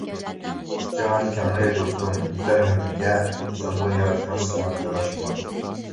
جاھان كەڭرى دوستۇم يېتەر ھەممىگە، ئىنسانغا ياراشماس سۆڭەك تالاشماق.